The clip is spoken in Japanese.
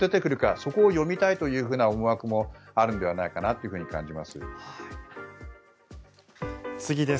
その辺を読みたいという思惑もあるのではないかなと感じます。